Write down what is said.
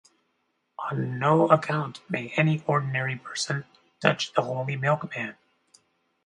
On no account may any ordinary person touch the holy milkman.